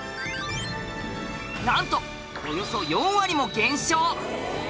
なんとおよそ４割も減少！